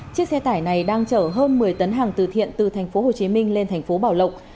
chiếc xe tải này đang chở hơn một mươi tấn hàng từ thiện từ thành phố hồ chí minh lên thành phố bảo lộc